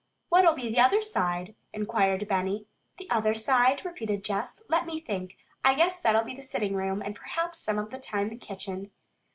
"What'll be the other side?" inquired Benny. "The other side?" repeated Jess. "Let me think! I guess that'll be the sitting room, and perhaps some of the time the kitchen."